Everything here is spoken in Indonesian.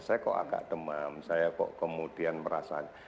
saya kok agak demam saya kok kemudian merasa